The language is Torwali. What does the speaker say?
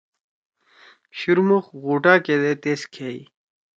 شُورمُخ غوٹا کیدے تیس کھیئی۔